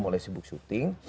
mulai sibuk syuting